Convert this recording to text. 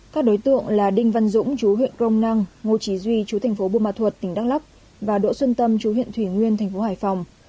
các đối tượng là đinh văn dũng chú huyện crong năng ngô trí duy chú thành phố buôn ma thuột tỉnh đắk lắc và đỗ xuân tâm chú huyện thủy nguyên thành phố hải phòng